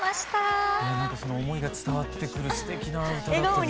その思いが伝わってくるすてきな歌だったですね。